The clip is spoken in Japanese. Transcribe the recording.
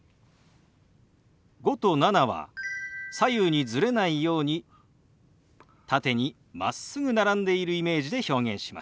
「５」と「７」は左右にズレないように縦にまっすぐ並んでいるイメージで表現します。